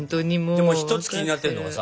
でも一つ気になってるのがさ